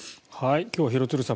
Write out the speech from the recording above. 今日は廣津留さん